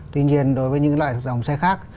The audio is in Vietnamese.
tuy nhiên đối với những loại dòng xe khác